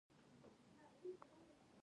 که څوک مې وژني لاس يې هم نه نيسم